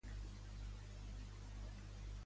Plató hi coincideix, en la referència de Iacus?